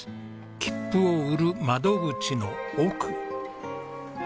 切符を売る窓口の奥。